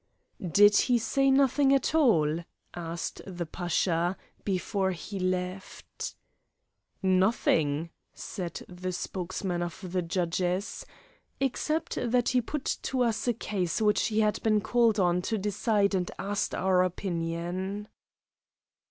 "Did he say nothing at all," asked the Pasha, "before he left?" "Nothing," said the spokesman of the judges, "except that he put to us a case which he had been called on to decide and asked our opinion."